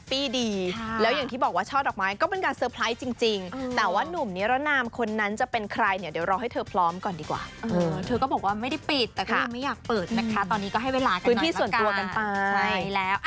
เพราะว่าพูดเยอะไปมันก็ไม่มีประโยชน์นะคะ